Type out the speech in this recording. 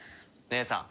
姉さん。